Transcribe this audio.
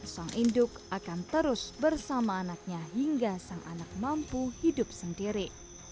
sang induk akan terus bersama anaknya hingga sang anak mampu hidup sendiri